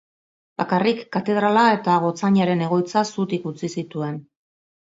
Bakarrik katedrala eta gotzainaren egoitza zutik utzi zituen.